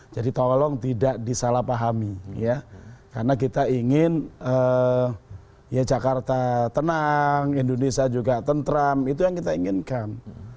jadi tolong tidak disalahpahami ya karena kita ingin jakarta tenang indonesia juga tentram itu yang kita inginkan